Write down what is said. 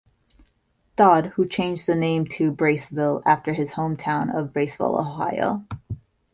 Dowd, who changed the name to Braceville after his home town of Braceville, Ohio.